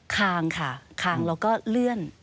คางค่ะคางเราก็เลื่อน